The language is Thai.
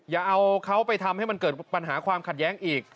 อย่าเอาเขาไปทำให้มันเกิดปัญหาความขัดแย้งอีก